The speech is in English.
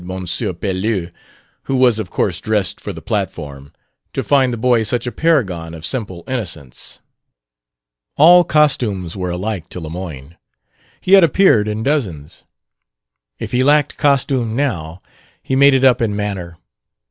Pelouse (who was of course dressed for the platform) to find the boy such a paragon of simple innocence. All costumes were alike to Lemoyne; he had appeared in dozens. If he lacked costume now, he made it up in manner.